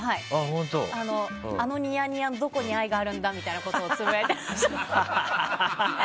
あのニヤニヤにどこに愛があるんだみたいなことつぶやいていました。